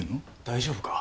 大丈夫か？